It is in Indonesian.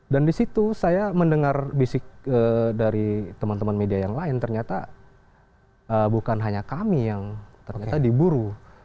dan di situ saya mendengar bisik dari teman teman media yang lain ternyata bukan hanya kami yang ternyata diburu